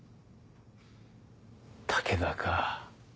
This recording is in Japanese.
武田か。